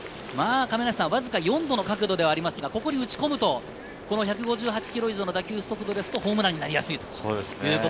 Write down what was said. わずか４度の角度ではありますが、ここに打ち込むと１５８キロ以上の打球の速度だとホームランになりやすい。